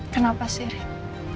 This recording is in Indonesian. kenapa sih rick